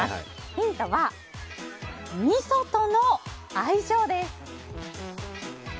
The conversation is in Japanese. ヒントは、みそとの相性です。